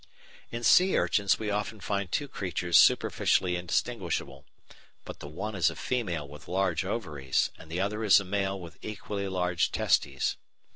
In sea urchins we often find two creatures superficially indistinguishable, but the one is a female with large ovaries and the other is a male with equally large testes.